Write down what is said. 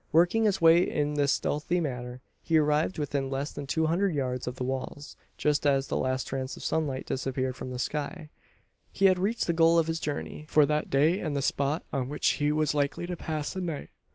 Working his way in this stealthy manner, he arrived within less than two hundred yards of the walls just as the last trace of sunlight disappeared from the sky. He had reached the goal of his journey for that day and the spot on which he was likely to pass the night.